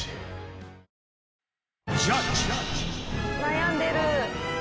悩んでる